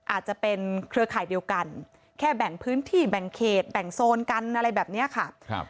อาจจะเป็นเครือข่ายเดียวกันแค่แบ่งพื้นที่แบ่งเขตแบ่งโซนกันอะไรแบบนี้ค่ะ